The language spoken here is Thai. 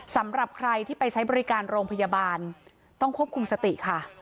สำหรับใครที่ไปใช้บริการโรงพยาบาลต้องควบคุมสติค่ะ